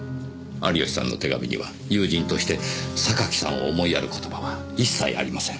有吉さんの手紙には友人として榊さんを思いやる言葉は一切ありません。